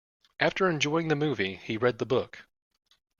After enjoying the movie, he read the book.